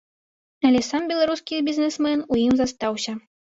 Але сам беларускі бізнесмен у ім застаўся.